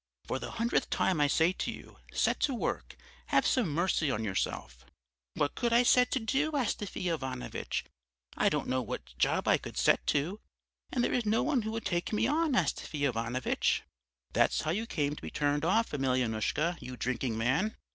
For the hundredth time I say to you, set to work, have some mercy on yourself!' "'What could I set to, Astafy Ivanovitch? I don't know what job I could set to, and there is no one who will take me on, Astafy Ivanovitch.' "'That's how you came to be turned off, Emelyanoushka, you drinking man!'